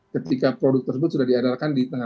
ketika produk tersebut sudah diadarkan di tengah